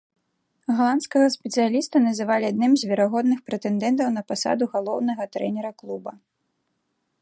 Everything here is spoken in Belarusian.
Галандскага спецыяліста называлі адным з верагодных прэтэндэнтаў на пасаду галоўнага трэнера клуба.